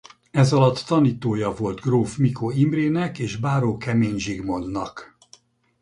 Ezalatt tanítója volt gróf Mikó Imrének és báró Kemény Zsigmondnak.